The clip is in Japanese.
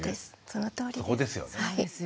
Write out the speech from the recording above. そのとおりです。